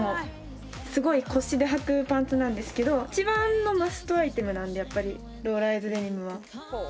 すごい腰ではくパンツなんですけど一番のマストアイテムなんでやっぱりローライズデニムは。